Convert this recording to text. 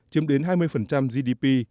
chiếm đến hai mươi gdp